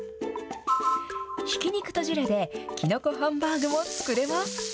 ひき肉とジュレで、きのこハンバーグも作れます。